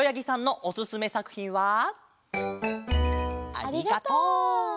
ありがとう。